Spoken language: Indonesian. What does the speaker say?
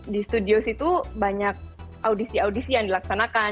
di studio situ banyak audisi audisi yang dilaksanakan